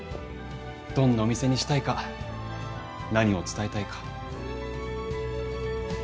どんなお店にしたいか何を伝えたいか。